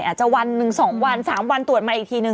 อาจจะวันต่อจะตรวจมาอีกที